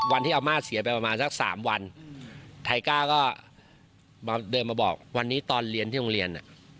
วันที่อาม่าเสียไปประมาณสัก๓วันไทก้าก็เดินมาบอกวันนี้ตอนเรียนที่โรงเรียน